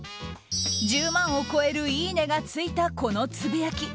１０万を超えるいいねがついたこのつぶやき。